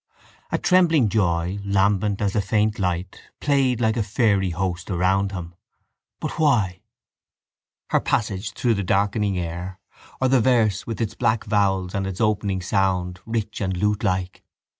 A trembling joy, lambent as a faint light, played like a fairy host around him. But why? Her passage through the darkening air or the verse with its black vowels and its opening sound, rich and lutelike?